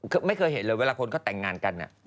คือไม่เคยเห็นเลยเวลาคนเขาแต่งงานกัน